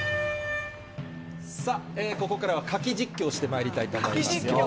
さあ、ここからはカキ実況してまいりたいと思いますよ。